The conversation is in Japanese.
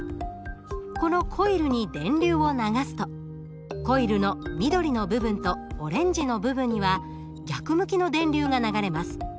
このコイルに電流を流すとコイルの緑の部分とオレンジの部分には逆向きの電流が流れます。